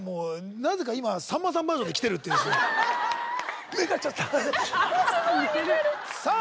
なぜか今さんまさんバージョンで来てるっていうすごい似てるさあ